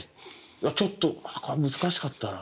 ちょっと難しかったな。